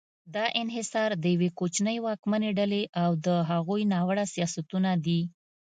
دا انحصار د یوې کوچنۍ واکمنې ډلې او د هغوی ناوړه سیاستونه دي.